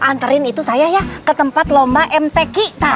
anterin itu saya ya ke tempat lomba mtk